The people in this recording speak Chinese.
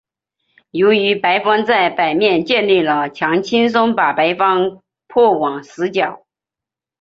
由于白方在北面建立了墙轻松把白方迫往死角。